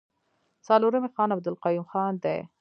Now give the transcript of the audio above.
څلورم يې خان عبدالقيوم خان دی.